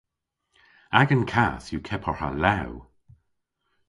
Agan kath yw kepar ha lew.